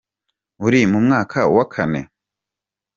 Uri mu mwaka wa kane?